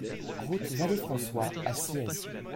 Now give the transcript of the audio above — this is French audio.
Route Vallée François à Ciez